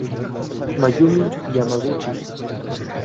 Mayumi Yamaguchi